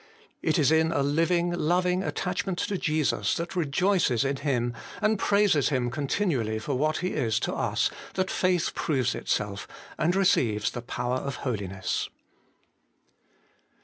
It is in a living, loving attachment to Jesus, that rejoices in Him, and praises Him continually for what He is to us, that faith proves itself, and receives the power of holiness.